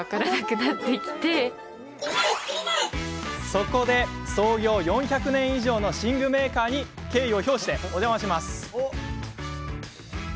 そこで創業４００年以上の寝具メーカーに敬意を表してお邪魔します。